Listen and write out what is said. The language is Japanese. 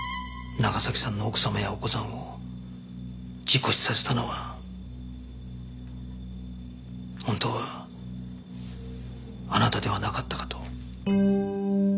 長崎さんの奥様やお子さんを事故死させたのは本当はあなたではなかったかと。